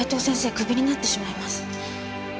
クビになってしまいます